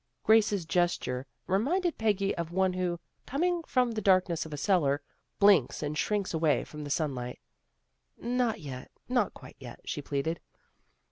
Grace's gesture reminded Peggy of one who, coming from the darkness of a cellar, blinks and shrinks away from the sunshine. " Not yet. Not quite yet," she pleaded.